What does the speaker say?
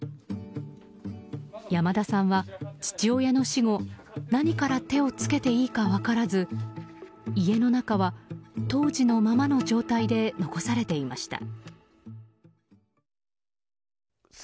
山田さんは父親の死後何から手を付けていいか分からず家の中は当時のままの状態で残されていました。